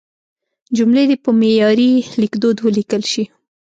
جملې دې په معیاري لیکدود ولیکل شي.